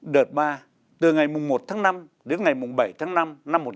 đợt ba từ ngày một tháng năm đến ngày bảy tháng năm năm một nghìn chín trăm bốn mươi năm